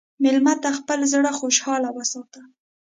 مېلمه ته خپل زړه خوشحال وساته.